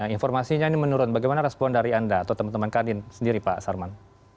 informasinya ini menurun bagaimana respon dari anda atau teman teman kadin sendiri pak sarman